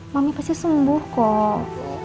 mami pasti sembuh kok